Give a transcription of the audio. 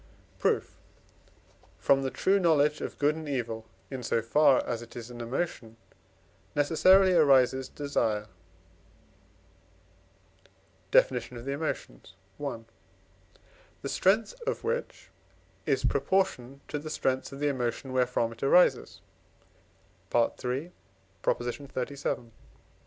Proof. From the true knowledge of good and evil, in so far as it is an emotion, necessarily arises desire (Def. of the Emotions, i.), the strength of which is proportioned to the strength of the emotion wherefrom it arises (III. xxxvii.).